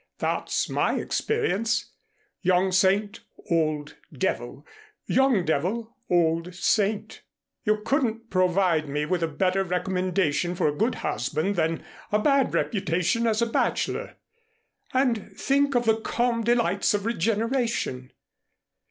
That's my experience. 'Young saint, old devil; young devil, old saint.' You couldn't provide me with a better recommendation for a good husband than a bad reputation as a bachelor. And think of the calm delights of regeneration!"